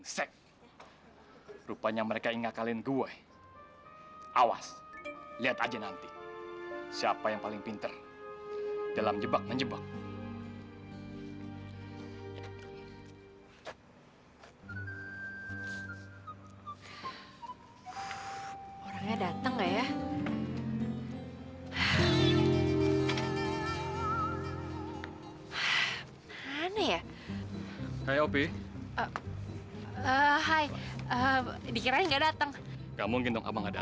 sampai jumpa di video selanjutnya